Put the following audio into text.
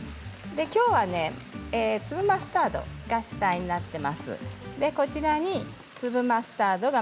きょうはね粒マスタードが主体になっています。